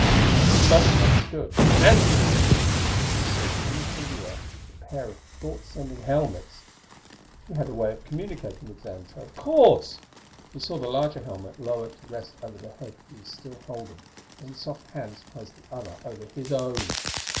But he suddenly understood and Jim, too when he saw coming through the air the pair of thought sending helmets. He had a way of communicating with Xantra, of course! He saw the larger helmet lower to rest over the head he was still holding; then soft hands placed the other over his own.